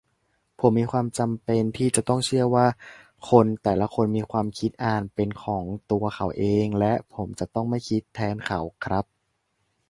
ผมมีความจำเป็นที่จะต้องเชื่อว่า คนแต่ละคนมีความคิดอ่านเป็นของตัวเขาเอง และผมจะต้องไม่คิดแทนเขาครับ